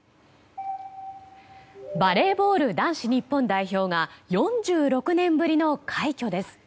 バレーボール男子日本代表が４６年ぶりの快挙です。